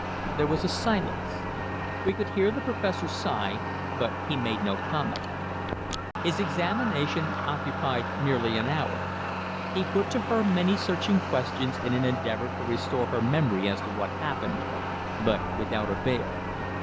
There was a silence. We could hear the Professor sigh, but he made no comment. His examination occupied nearly an hour. He put to her many searching questions in an endeavour to restore her memory as to what happened, but without avail.